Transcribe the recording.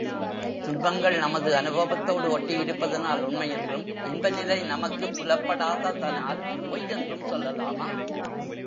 துன்பங்கள் நமது அநுபவத்தோடு ஒட்டியிருப்பதனால் உண்மையென்றும், இன்ப நிலை நமக்குப் புலப்படாததனால் பொய்யென்றும் சொல்லலாமா?